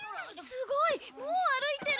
すごい！